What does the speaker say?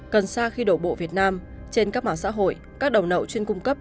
cần xa khi đổ bộ việt nam trên các mạng xã hội các đầu nậu chuyên cung cấp